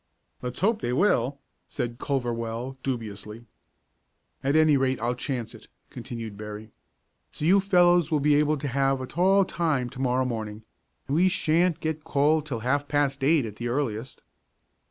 "Let's hope they will," said Culverwell, dubiously. "At any rate, I'll chance it," continued Berry. "So you fellows will be able to have a tall time to morrow morning; we sha'n't get called till half past eight, at the earliest."